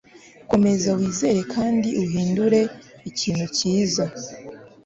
komeza wizere kandi uhindure ikintu cyiza